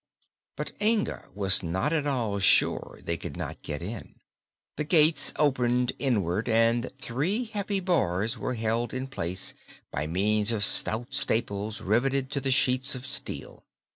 But Inga was not at all sure they could not get in. The gates opened inward, and three heavy bars were held in place by means of stout staples riveted to the sheets of steel.